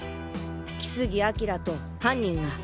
木杉彬と犯人が。